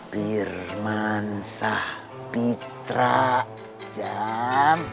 pir man sah pitra jang